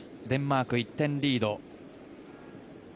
デンマーク、１点リード。